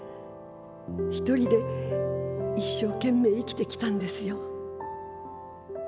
ひとりで一生懸命生きてきたんですよ。